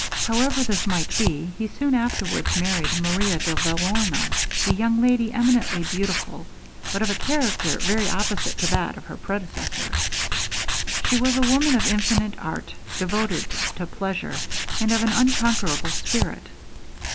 However this might be, he soon afterwards married Maria de Vellorno, a young lady eminently beautiful, but of a character very opposite to that of her predecessor. She was a woman of infinite art, devoted to pleasure, and of an unconquerable spirit.